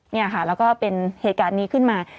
เนี่ยค่ะแล้วก็เป็นเหตุการณ์นี้ขึ้นมา